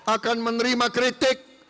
akan menerima kritik